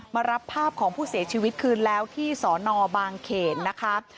มารับภาพของผู้เสียชีวิตคืนแล้วที่สอนอบางเขนนะคะ